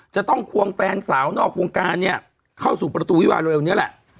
จะต้องควงแฟนสาวนอกวงการเนี่ยเข้าสู่ประตูวิวาเร็วนี้แหละ